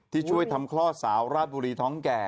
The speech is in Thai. ที่ช่วยทำคลอดสาวราชบุรีท้องแก่